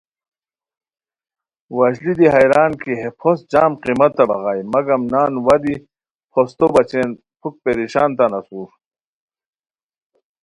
وشلی دی حیران کی ہے پھوست جم قیمتہ بغائے مگم نان وا دی پھوستو بچین پُھک پریشان تان اسور